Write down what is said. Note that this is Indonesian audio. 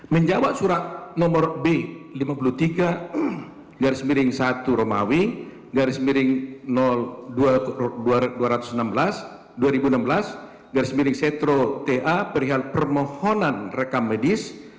menjawab surat nomor b lima puluh tiga garis miring satu romawi garis miring dua ratus enam belas dua ribu enam belas garis miring setro ta perihal permohonan rekam medis